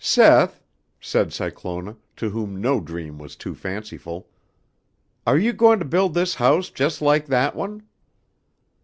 "Seth," said Cyclona, to whom no dream was too fanciful, "are you goin' to build this house just like that one?"